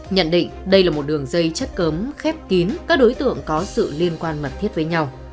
nhận định đây là một đường dây chất cơm khép kín các đối tượng có sự liên quan mật thiết với nhau